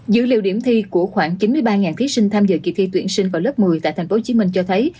dữ liệu điểm thi của khoảng chín mươi ba thí sinh tham dự kỳ thi tuyển sinh vào lớp một mươi tại tp hcm cho thấy